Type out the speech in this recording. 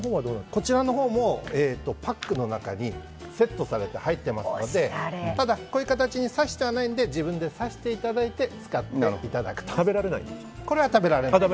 こちらのほうもパックの中にセットされて入っていますのでただこういう形にさしてはないので自分でさしていただいて食べられないんですか？